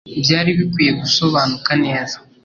byari bikwiye gusobanuka neza